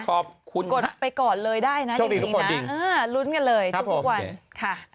ขอบคุณนะครับโชคดีทุกคนจริงอืมรุ้นกันเลยจบกันค่ะเอาไป